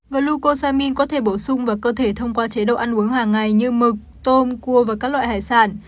glucozamin có thể bổ sung vào cơ thể thông qua chế độ ăn uống hàng ngày như mực tôm cua và các loại hải sản